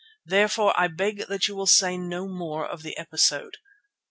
Therefore I beg that you will say no more of the episode.